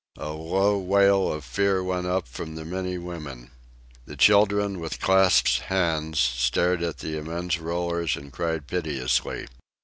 A low wail of fear went up from the many women. The children, with clasped hands, stared at the immense rollers and cried piteously.